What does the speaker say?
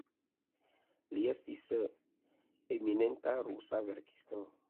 Li estis eminenta rusa verkisto.